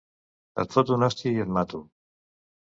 Et foto una hòstia i et mato.